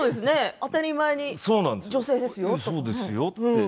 当たり前に女性ですよって。